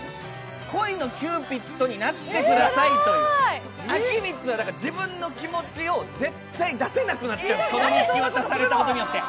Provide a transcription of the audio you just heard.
恋のキューピッドになってくださいという、彰充は、だから自分の気持ちを絶対出せなくなっちゃうんです、この日記を渡されたことによって。